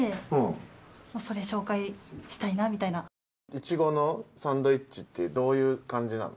イチゴのサンドイッチってどういう感じなの？